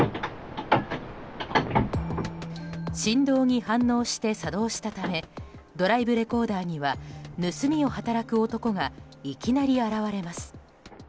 振動に反応して作動したためドライブレコーダーには盗みを働く男がいきなり現れます。